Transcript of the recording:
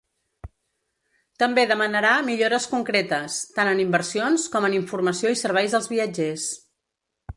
També demanarà millores concretes, tant en inversions com en informació i serveis als viatgers.